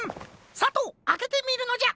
さとうあけてみるのじゃ。